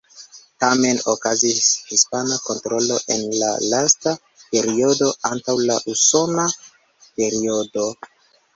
Tamen okazis hispana kontrolo en la lasta periodo antaŭ la usona periodo.